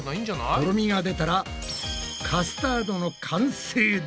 とろみが出たらカスタードの完成だ！